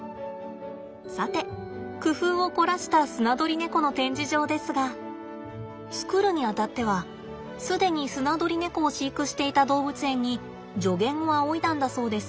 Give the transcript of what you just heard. さて工夫を凝らしたスナドリネコの展示場ですが作るにあたっては既にスナドリネコを飼育していた動物園に助言を仰いだんだそうです。